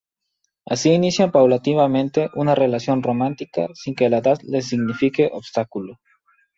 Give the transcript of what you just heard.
Así inician paulatinamente una relación romántica sin que la edad les signifique obstáculo.